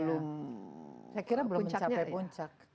saya kira belum mencapai puncak